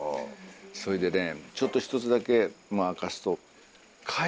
それでねちょっと１つだけ明かすと。